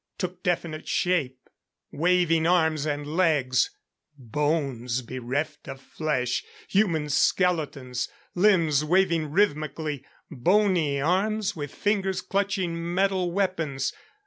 Took definite shape. Waving arms and legs! Bones bereft of flesh. Human skeletons! Limbs waving rhythmically. Bony arms, with fingers clutching metal weapons.